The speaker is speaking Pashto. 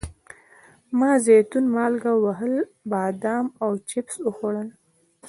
ما زیتون، مالګه وهلي بادام او چپس وخوړل.